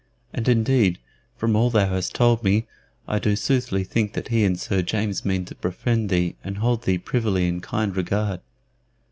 And, indeed, from all thou has told me, I do soothly think that he and Sir James mean to befriend thee and hold thee privily in kind regard."